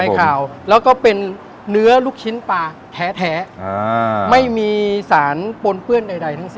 ไม่ขาวแล้วก็เป็นเนื้อลูกชิ้นปลาแท้แท้อ่าไม่มีสารปนเปื้อนใดใดทั้งซิ